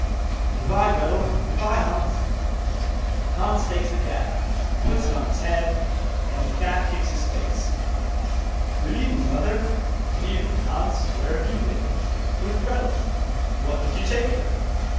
'Goodbye, Gretel.' 'Goodbye, Hans.' Hans takes the calf, puts it on his head, and the calf kicks his face. 'Good evening, mother.' 'Good evening, Hans. Where have you been?' 'With Gretel.' 'What did you take her?